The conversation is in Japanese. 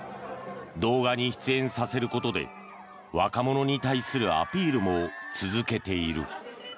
動画に出演させることで若者に対するアピールも続けている。